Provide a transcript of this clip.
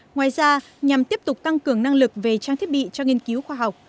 ngoài ra nhằm tiếp tục tăng cường năng lực về trang thiết bị cho nghiên cứu khoa học